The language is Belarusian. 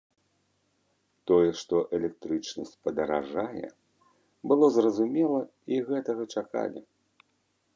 Тое, што электрычнасць падаражае, было зразумела і гэтага чакалі.